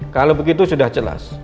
kalau begitu sudah jelas